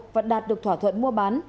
vẫn đạt được thỏa thuận mua bán